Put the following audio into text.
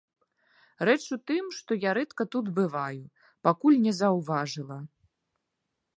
Рэч у тым, што я рэдка тут бываю, пакуль не заўважыла.